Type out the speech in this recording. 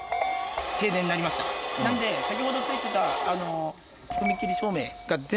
なので先ほどついてた。